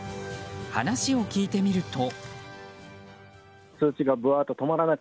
話を聞いてみると。